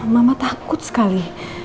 mama takut sekali